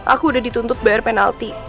aku udah dituntut bayar penalti